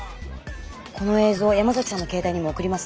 この映像山崎さんの携帯にも送りますね。